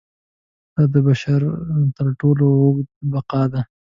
دا د بشر تر ټولو اوږده بقا ده.